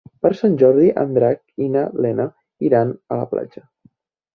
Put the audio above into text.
Per Sant Jordi en Drac i na Lena iran a la platja.